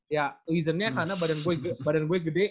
ya leasonnya karena badan gue gede